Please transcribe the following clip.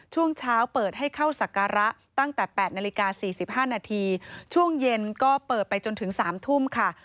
ช่วงเช้าเปิดให้เข้าศักระตั้งแต่๘นาฬิกา๔๕นาทีช่วงเย็นก็เปิดไปจนถึง๓ทุ่มค่ะ